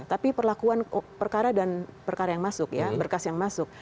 tapi perlakuan perkara dan perkara yang masuk ya berkas yang masuk